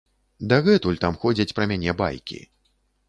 Дагэтуль там ходзяць пра мяне байкі.